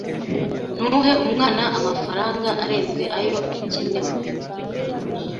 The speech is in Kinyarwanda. Ntuhe umwana amafaranga arenze ayo akenewe. (nadsat)